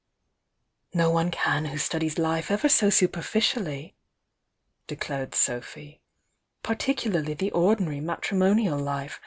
"No one can who studies life ever so superficially," declared Sophy. "Particularly the ordinary matri monial life.